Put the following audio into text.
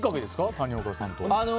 谷岡さんと。